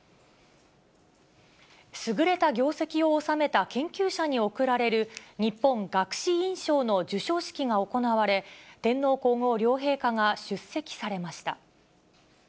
優れた業績をおさめた研究者に贈られる、日本学士院賞の授賞式が行われ、天皇皇后両陛下が出席されました。